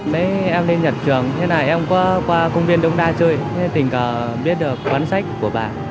mấy em lên nhật trường thế này em có qua công viên đông đa chơi tình cờ biết được quán sách của bà